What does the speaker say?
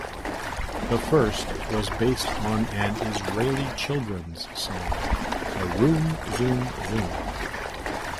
The first was based on an Israeli Children's song, "A Room Zoom Zoom".